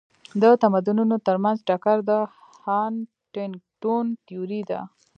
د تمدنونو ترمنځ ټکر د هانټینګټون تيوري ده.